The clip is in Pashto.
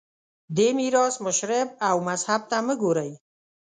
دې میراث مشرب او مذهب ته مه ګورئ